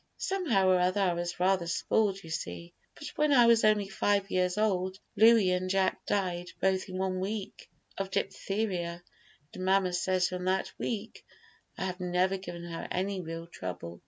Somehow or other I was rather spoiled, you see; but when I was only five years old Louis and Jack died, both in one week, of diphtheria, and mamma says from that week I have never given her any real trouble.